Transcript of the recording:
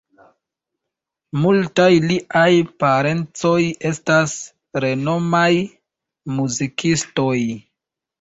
Multaj liaj parencoj estas renomaj muzikistoj.